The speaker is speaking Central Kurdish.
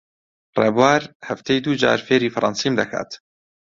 ڕێبوار هەفتەی دوو جار فێری فەڕەنسیم دەکات.